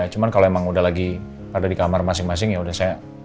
cuma kalau emang udah lagi ada di kamar masing masing yaudah saya